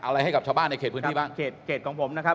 อะไรให้กับชาวบ้านในเขตพื้นที่บ้างเขตของผมนะครับ